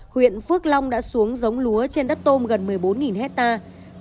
huyện phước long đã xuống giống lúa trên đất tôm gần một mươi bốn hectare